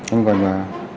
anh gọi nhà